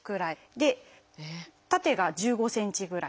で縦が１５ｃｍぐらい。